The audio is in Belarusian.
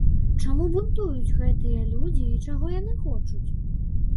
Чаму бунтуюць гэтыя людзі і чаго яны хочуць?